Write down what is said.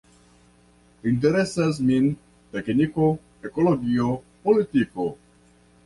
Interesas min tekniko, ekologio, politiko.